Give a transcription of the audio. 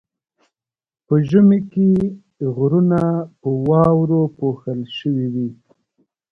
په ژمي کې غرونه په واورو پوښل شوي وي.